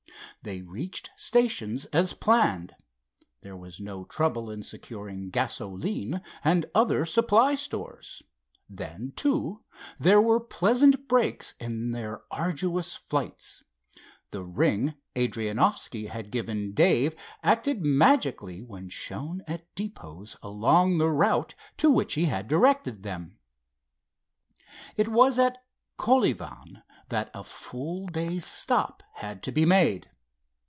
They reached stations as planned. There was no trouble in securing gasoline and other supply stores. Then, too, there were pleasant breaks in their arduous flights. The ring Adrianoffski had given Dave acted magically when shown at depots along the route to which he had directed him. It was at Kolyvan that a full day's stop had to be made.